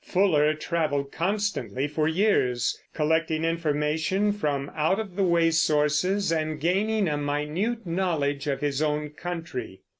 Fuller traveled constantly for years, collecting information from out of the way sources and gaining a minute knowledge of his own country.